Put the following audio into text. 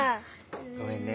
ごめんね。